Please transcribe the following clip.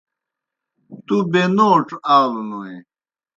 تُوْ بَینَوڇ آلوْنوئے۔